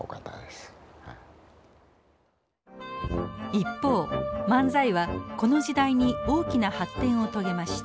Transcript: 一方漫才はこの時代に大きな発展を遂げました。